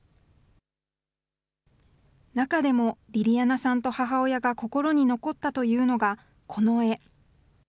中でもりりあなさんと母親が心に残ったというのが、この絵。